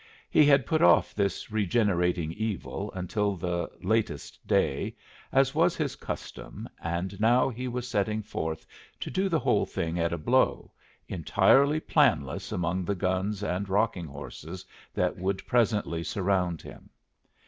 He had put off this regenerating evil until the latest day, as was his custom, and now he was setting forth to do the whole thing at a blow, entirely planless among the guns and rocking horses that would presently surround him.